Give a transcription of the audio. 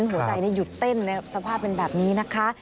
หัวใจนี่หยุดเต้นนะครับสภาพเป็นแบบนี้นะคะ